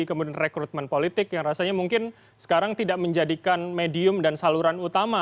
kemudian rekrutmen politik yang rasanya mungkin sekarang tidak menjadikan medium dan saluran utama